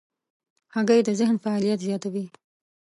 هګۍ د ذهن فعالیت زیاتوي.